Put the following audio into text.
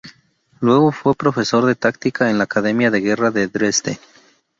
Luego fue profesor de táctica en la academia de guerra de Dresde.